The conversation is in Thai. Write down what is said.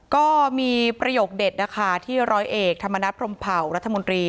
ก็มีประโยคเด็ดนะคะที่ร้อยเอกธรรมนัฐพรมเผารัฐมนตรี